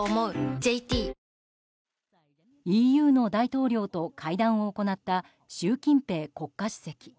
ＪＴＥＵの大統領と会談を行った習近平国家主席。